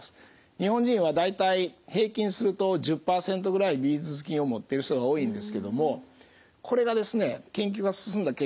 日本人は大体平均すると１０％ぐらいビフィズス菌を持ってる人が多いんですけどもこれが研究が進んだ結果